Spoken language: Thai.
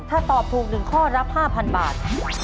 ถ้าตอบถูก๑ข้อรับ๕๐๐บาท